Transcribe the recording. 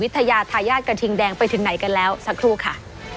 ทายาทายาทกระทิงแดงไปถึงไหนกันแล้วสักครู่ค่ะ